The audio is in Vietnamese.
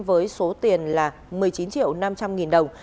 với số tiền là một mươi chín triệu năm trăm linh nghìn đồng